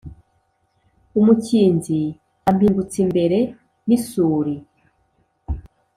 umukinzi ampingutse imbere n’isuri